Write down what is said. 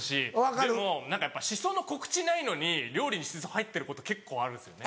でもシソの告知ないのに料理にシソ入ってること結構あるんですよね。